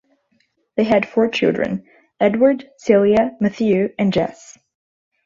They had four children, Edward, Celia, Matthew, and Jesse.